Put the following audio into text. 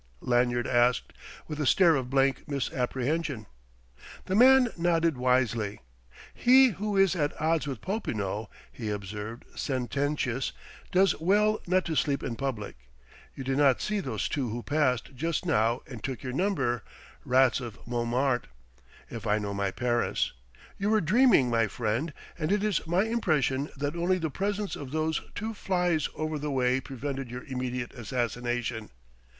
Lanyard asked, with a stare of blank misapprehension. The man nodded wisely. "He who is at odds with Popinot," he observed, sententious, "does well not to sleep in public. You did not see those two who passed just now and took your number rats of Montmartre, if I know my Paris! You were dreaming, my friend, and it is my impression that only the presence of those two flies over the way prevented your immediate assassination.